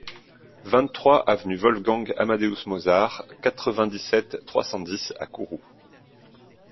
vingt-trois avenue Wolfgang Amadéus Mozart, quatre-vingt-dix-sept, trois cent dix à Kourou